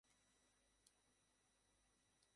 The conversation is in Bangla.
মেডিসিনে প্রথম বর্ষে পড়ার সময়ই আমাদের দেখা হয়।